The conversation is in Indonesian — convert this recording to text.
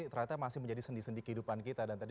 ternyata masih menjadi sendi sendi kehidupan kita dan tadi